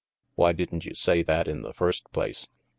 "Why didn't you say that in the first place?